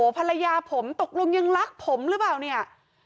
ภรรยาผมตกลงยังรักผมหรือเปล่าเนี่ย